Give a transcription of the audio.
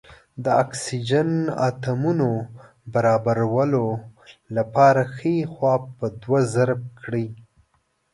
د اکسیجن اتومونو برابرولو لپاره ښۍ خوا په دوه ضرب کړئ.